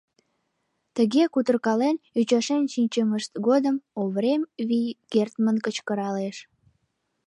Тыге кутыркален, ӱчашен шинчымышт годым Оврем вий кертмын кычкыралеш: